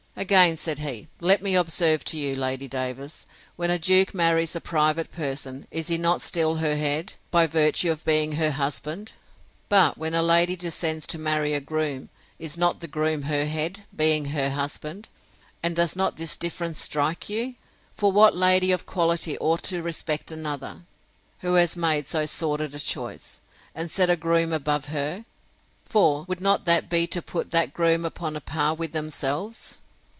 Again, said he, let me observe to you, Lady Davers, When a duke marries a private person, is he not still her head, by virtue of being her husband? But, when a lady descends to marry a groom, is not the groom her head, being her husband? And does not the difference strike you? For what lady of quality ought to respect another, who has made so sordid a choice, and set a groom above her? For, would not that be to put that groom upon a par with themselves?